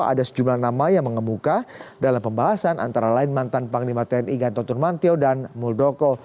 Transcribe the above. ada sejumlah nama yang mengemuka dalam pembahasan antara lain mantan panglima tni gantotur mantio dan muldoko